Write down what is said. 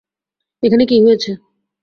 এখানে কি হয়েছে?